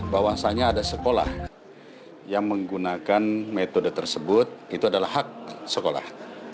bahwasannya ada sekolah yang menggunakan metode tersebut itu adalah hak sekolah